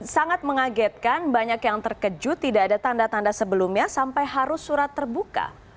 sangat mengagetkan banyak yang terkejut tidak ada tanda tanda sebelumnya sampai harus surat terbuka